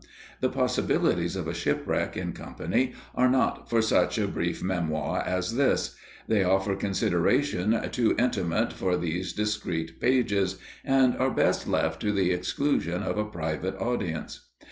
The possibilities of a shipwreck in company are not for such a brief memoir as this; they offer consideration too intimate for these discreet pages, and are best left to the exclusion of a private audience.